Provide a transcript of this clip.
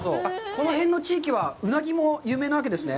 この辺の地域はうなぎも有名なわけですね？